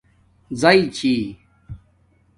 زَی چھی